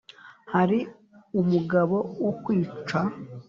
hari umugabo wo kwica.